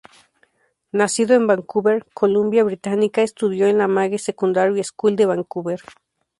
Nacido en Vancouver, Columbia Británica, estudió en la Magee Secondary School de Vancouver.